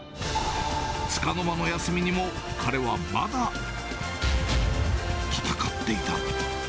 つかの間の休みにも、彼はまだ、戦っていた。